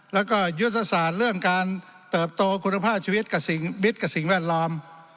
แล้วก็ยุทธศาสตร์เรื่องการเติบโตคุณภาพชีวิตกับมิตรกับสิ่งแวดล้อม